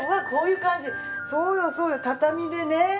そうよそうよ畳でね。